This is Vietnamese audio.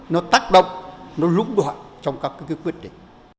nó tác động nó lũng đoạn trong các cái quyết định